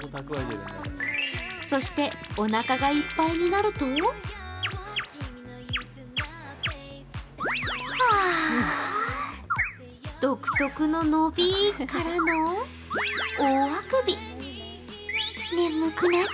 そしておなかがいっぱいになると独特の伸びからの大あくび。